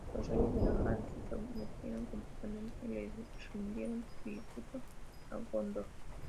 Los reyes del Harad se sometieron completamente y le rindieron tributo a Gondor.